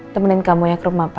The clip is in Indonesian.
temenin kamu ya ke rumah pak fauzi